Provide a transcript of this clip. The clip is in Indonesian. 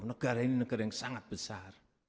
negara ini negara yang sangat besar